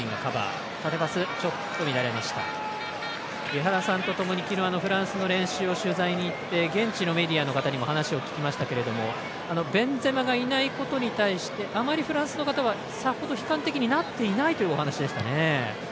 井原さんとともに昨日フランスの練習を取材に行って現地のメディアの方にも話を聞きましたけどベンゼマがいないことに関してあまりフランスの方はさほど悲観的になっていないというお話でしたね。